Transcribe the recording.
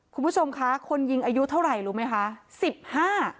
คุณผู้ชมคะคนยิงอายุเท่าไหร่รู้ไหมคะสิบห้า